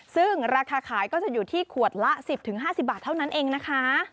ซึ่งราคาขายก็จะอยู่ที่ขวดละ๑๐๕๐บาทเท่านั้นเองนะคะ